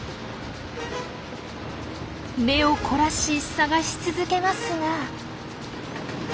目を凝らし探し続けますが。